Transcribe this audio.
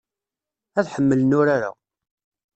Ad ḥemmlen urar-a.